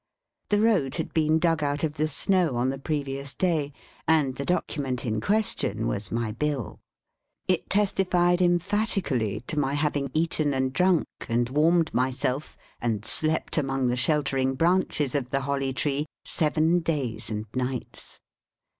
The road had been dug out of the snow on the previous day, and the document in question was my bill. It testified emphatically to my having eaten and drunk, and warmed myself, and slept among the sheltering branches of the Holly Tree, seven days and nights.